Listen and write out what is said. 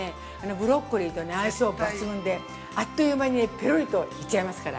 ブロッコリーと相性抜群で、あっという間にぺろりといっちゃいますから。